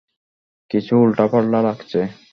কিছু উল্টাপাল্টা লাগছে।